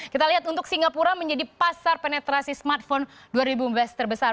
kita lihat untuk singapura menjadi pasar penetrasi smartphone dua ribu empat belas terbesar